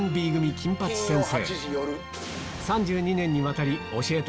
『金八先生』！